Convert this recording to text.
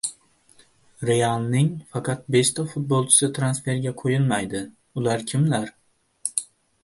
"Real"ning faqat beshta futbolchisi transferga qo‘yilmaydi. Ular kimlar?